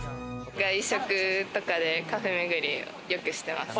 外食とかで、カフェめぐりをよくしてます。